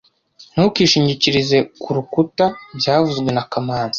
Ntukishingikirize kurukuta byavuzwe na kamanzi